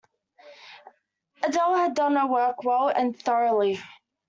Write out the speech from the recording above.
Adele had done her work well and thoroughly.